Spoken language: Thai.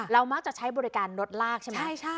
มักจะใช้บริการรถลากใช่ไหม